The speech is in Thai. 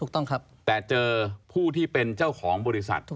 แต่เจอผู้ที่เป็นเจ้าของบริษัท